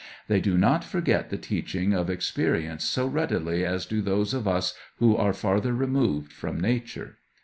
They do not forget the teaching of experience so readily as do those of us who are farther removed from Nature.